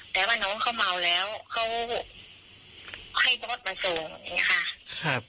แต่ว่าน้องเขาเมาแล้วเขาให้รถมาส่งอย่างนี้ค่ะ